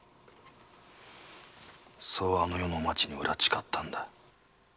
そうあの世のおまちに俺は誓ったんだ。